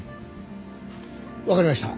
わかりました。